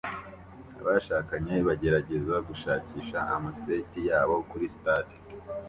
Abashakanye bagerageza gushakisha amaseti yabo kuri stade